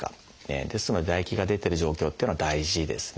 ですので唾液が出てる状況というのは大事ですね。